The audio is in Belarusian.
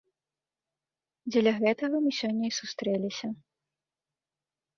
Дзеля гэтага мы сёння і сустрэліся.